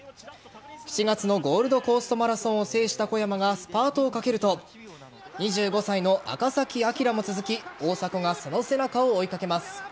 ７月のゴールドコーストマラソンを制した小山がスパートをかけると２５歳の赤崎暁も続き大迫がその背中を追いかけます。